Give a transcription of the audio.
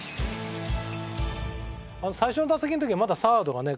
最初の打席の時はまだサードがね